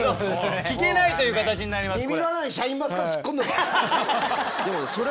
聞けないという形になりますこれ。